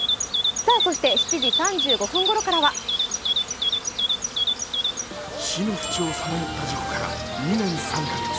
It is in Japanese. そして７時３５分ごろからは死のふちをさまよった事故から２年３か月。